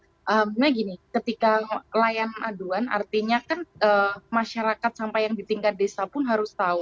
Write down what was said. sebenarnya gini ketika layanan aduan artinya kan masyarakat sampai yang di tingkat desa pun harus tahu